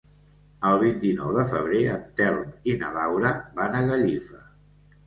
El vint-i-nou de febrer en Telm i na Laura van a Gallifa.